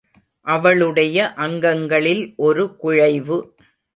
அவளுடைய அங்கங்களில் ஒரு குழைவு.